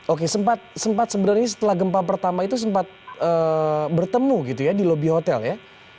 oke sempat sebenarnya setelah gempa pertama itu sempat bertemu gitu ya di lobi hotel ya